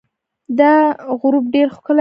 دا غروب ډېر ښکلی دی.